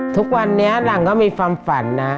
ทุกวันนี้หลังก็มีความฝันนะ